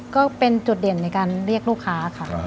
ก็เป็นจุดเด่นในการเรียกลูกค้าค่ะ